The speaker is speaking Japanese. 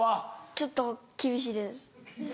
ちょっと厳しいです。